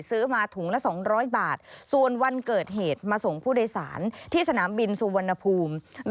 ซื้อมาถุงละ๒๐๐บาทส่วนวันเกิดเหตุมาส่งผู้โดยสารที่สนามบินสุวรรณภูมิ